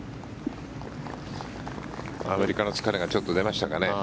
アメリカの疲れがちょっと出ましたかね。